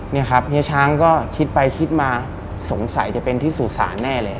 นี่ครับเฮียช้างก็คิดไปคิดมาสงสัยจะเป็นที่สู่ศาลแน่เลย